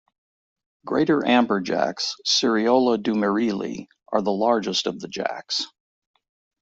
Greater amberjacks, "Seriola dumerili", are the largest of the jacks.